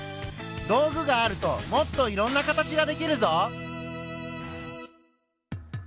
道具があるともっといろんな形が出来るぞ。